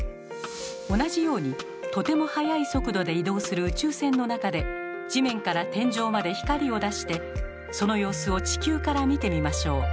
同じようにとても速い速度で移動する宇宙船の中で地面から天井まで光を出してその様子を地球から見てみましょう。